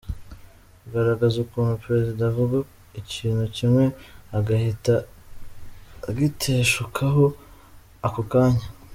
Kugaragaza ukuntu Perezida avuga ikintu kimwe agahita agiteshukaho ako kanya.